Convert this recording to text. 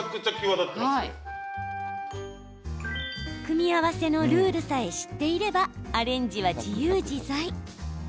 組み合わせのルールさえ知っていればアレンジは自由自在。